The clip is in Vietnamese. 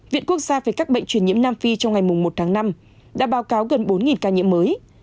viện quốc gia về các bệnh truyền nhiễm nam phi trong ngày một tháng năm đã báo cáo gần bốn ca nhiễm mới